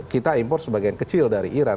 kita impor sebagian kecil dari iran